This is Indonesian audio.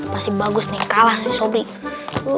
masih bagus nih kalah sih sobrie